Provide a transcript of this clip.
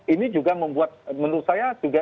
ini juga membuat menurut saya juga